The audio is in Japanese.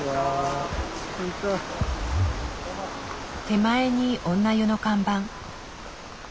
手前に女湯の看板。